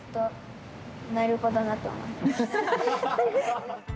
なるほどなと思いました。